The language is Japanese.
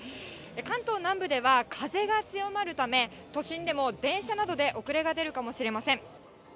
関東南部では風が強まるため、都心でも電車などで遅れが出るかもしれません。